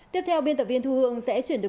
tiếp theo biên tập viên thu hương sẽ chuyển được